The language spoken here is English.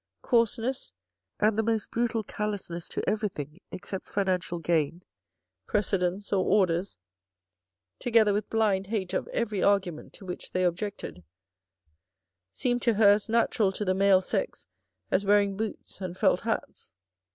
Coarseness, and the most brutal callousness to everything except financial gain, precedence, or orders, together with blind hate of every argument to which they objected, seemed to her as natural to the male sex as wearing boots and felt hats.